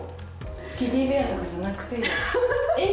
テディベアとかじゃなくてエイ